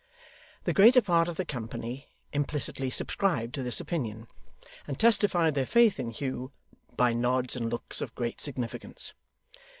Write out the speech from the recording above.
The greater part of the company implicitly subscribed to this opinion, and testified their faith in Hugh by nods and looks of great significance.